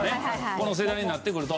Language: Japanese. この世代になってくると。